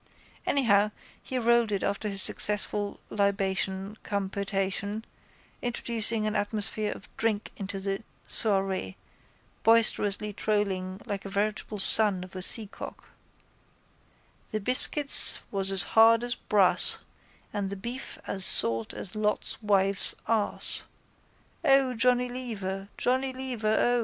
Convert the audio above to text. Anyhow in he rolled after his successful libation cum potation, introducing an atmosphere of drink into the soirée, boisterously trolling, like a veritable son of a seacook: —The biscuits was as hard as brass And the beef as salt as Lot's wife's arse. O, Johnny Lever! Johnny Lever, O!